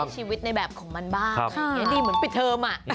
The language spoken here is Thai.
ใช้ชีวิตในแบบของมันบ้างดีเหมือนปิดเทิมอ่ะ